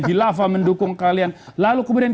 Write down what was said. khilafah mendukung kalian lalu kemudian